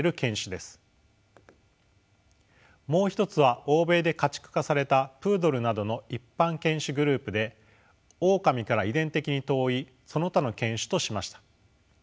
もう一つは欧米で家畜化されたプードルなどの一般犬種グループでオオカミから遺伝的に遠いその他の犬種としました。